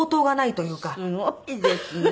すごいですね。